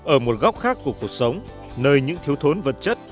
ở một góc khác của cuộc sống nơi những thiếu thốn vật chất